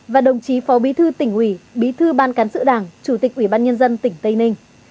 và đồng chí phó bí thư tỉnh ủy bí thư ban cán sự đảng chủ tịch ủy ban nhân dân tỉnh tây ninh